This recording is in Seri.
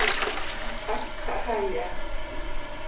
Hast xahxaii ha.